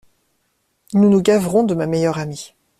Nous nous gaverons de ma meilleure amie.